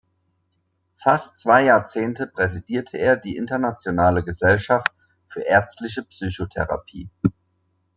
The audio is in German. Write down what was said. Fast zwei Jahrzehnte präsidierte er die Internationale Gesellschaft für ärztliche Psychotherapie.